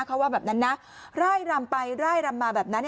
เขาว่าแบบนั้นนะไล่รำไปไล่รำมาแบบนั้น